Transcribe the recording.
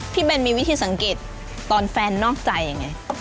เบนมีวิธีสังเกตตอนแฟนนอกใจยังไง